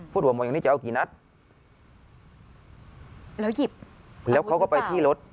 ออกมาอย่างนี้จะเอากี่นัดแล้วหยิบแล้วเขาก็ไปที่รถ